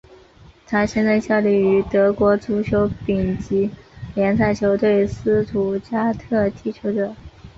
他现在效力于德国足球丙级联赛球队斯图加特踢球者。